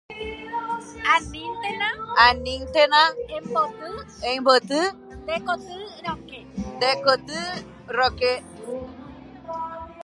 Aníntena emboty nde koty rokẽ.